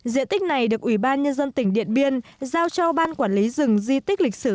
diện tích này được ủy ban nhân dân tỉnh điện biên giao cho ban quản lý rừng di tích lịch sử